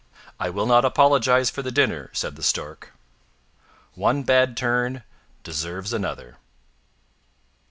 "I will not apologize for the dinner," said the Stork: "ONE BAD TURN DESERVES ANOTHER."